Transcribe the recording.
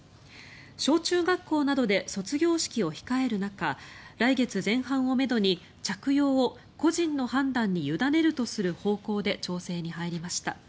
小中学校などで卒業式を控える中来月前半をめどに着用を個人の判断に委ねるとする方向で調整に入りました。